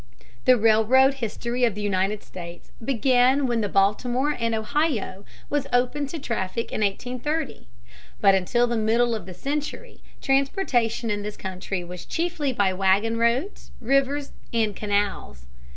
The railroad history of the United States began when the Baltimore & Ohio was opened to traffic in 1830, but until the middle of the century transportation in this country was chiefly by wagon roads, rivers, and canals.